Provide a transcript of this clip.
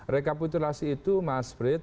rekapitulasi itu mas frit